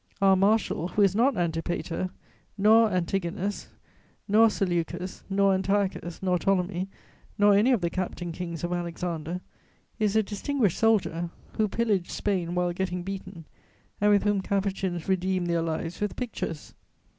Our marshal, who is not Antipater, nor Antigonus, nor Seleucus, nor Antiochus, nor Ptolemy, nor any of the captain kings of Alexander, is a distinguished soldier, who pillaged Spain while getting beaten, and with whom Capuchins redeemed their lives with pictures.